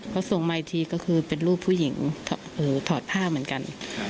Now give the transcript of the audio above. เขาส่งมาอีกทีก็คือเป็นรูปผู้หญิงถอดผ้าเหมือนกัน